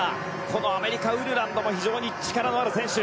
このアメリカ、ウルランドも非常に力のある選手。